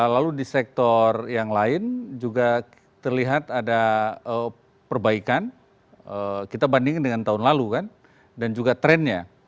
lalu di sektor yang lain juga terlihat ada perbaikan kita bandingkan dengan tahun lalu kan dan juga trennya